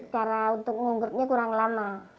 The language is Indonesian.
karena untuk mengunggurnya kurang lama